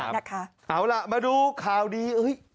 เอาล่ะมาดูข่าวดี